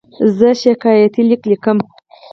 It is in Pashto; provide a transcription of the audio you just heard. زه شکایتي لیک لیکم.